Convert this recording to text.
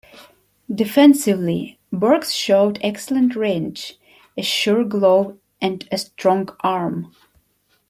Defensively, Burks showed excellent range, a sure glove and a strong arm.